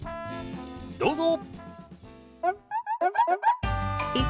どうぞ！